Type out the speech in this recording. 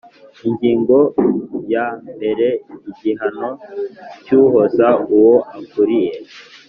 Ingingo ymbere Igihano cy uhoza uwo akuriye